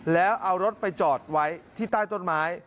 แล้วเอารถไปจอดไว้ที่ใต้ต้นไม้